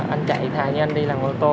anh chạy thay như anh đi làm ô tô